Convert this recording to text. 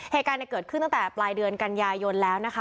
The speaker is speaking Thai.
เหตุการณ์เกิดขึ้นตั้งแต่ปลายเดือนกันยายนแล้วนะคะ